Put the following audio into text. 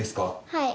はい。